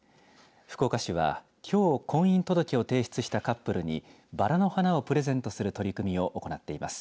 福岡市は、きょう婚姻届を提出したカップルにばらの花をプレゼントする取り組みを行っています。